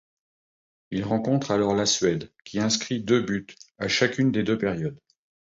Ils rencontrent alors la Suède qui inscrit deux buts à chacune des deux périodes.